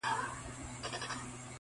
هسي پر دښت د ژمي شپه وه ښه دى تېره سوله.